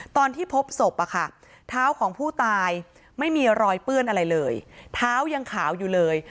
ตอนที่พบศพเท้าของผู้ตายไม่มีรอยเปื้อนอะไรเลยเท้ายังขาวอยู่เลย